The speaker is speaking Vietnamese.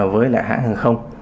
với lại hãng hàng khách hàng